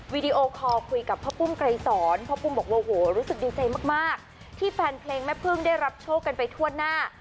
วิดีโอคอลคุยกับพ่อปุ้มไกรสอนพ่อปุ้มบอกว่าโหรู้สึกดีใจมากที่แฟนเพลงแม่พึ่งได้รับโชคกันไปทั่วหน้า